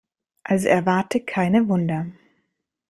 Also erwarte keine Wunder.